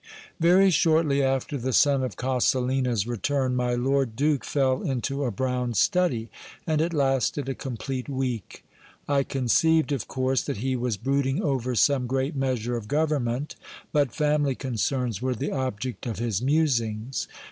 Very shortly after the son of Coselina's return, my lord duke fell into a brown study, and it lasted a complete week. I conceived, of course, that he was brooding over some great measure of government ; but family concerns were the object of his musings.